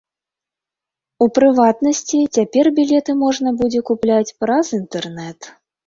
У прыватнасці, цяпер білеты можна будзе купляць праз інтэрнэт.